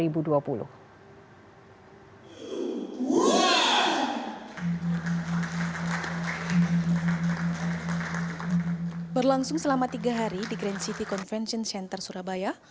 berlangsung selama tiga hari di grand city convention center surabaya